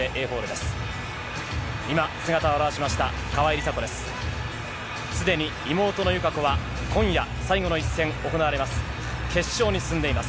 すでに妹の友香子は、今夜、最後の一戦、行われます。